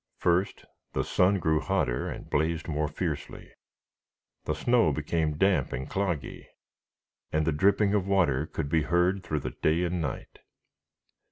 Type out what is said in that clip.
First, the sun grew hotter and blazed more fiercely; the snow became damp and cloggy, and the dripping of water could be heard through the day and night.